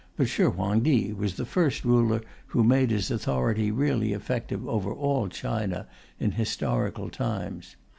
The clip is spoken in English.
But Shih Huang Ti was the first ruler who made his authority really effective over all China in historical times.